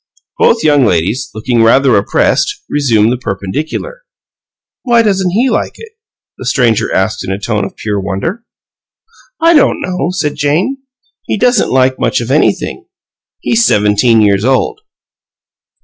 Both young ladies, looking rather oppressed, resumed the perpendicular. "Why doesn't he like it?" the stranger asked in a tone of pure wonder. "I don't know," said Jane. "He doesn't like much of anything. He's seventeen years old."